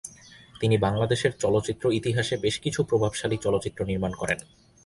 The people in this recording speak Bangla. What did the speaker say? তিনি বাংলাদেশের চলচ্চিত্র ইতিহাসে বেশ কিছু প্রভাবশালী চলচ্চিত্র নির্মাণ করেন।